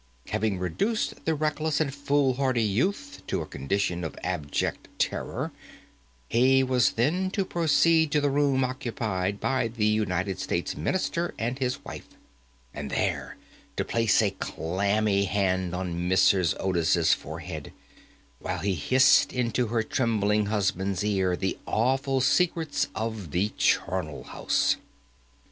Having reduced the reckless and foolhardy youth to a condition of abject terror, he was then to proceed to the room occupied by the United States Minister and his wife, and there to place a clammy hand on Mrs. Otis's forehead, while he hissed into her trembling husband's ear the awful secrets of the charnel house.